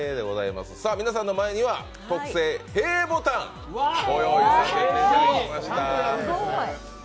皆さんの前には、特製へぇボタンをご用意させていただきました。